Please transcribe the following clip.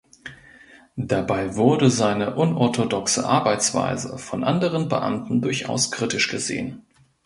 Dabei wurde seine unorthodoxe Arbeitsweise von anderen Beamten durchaus kritisch gesehen.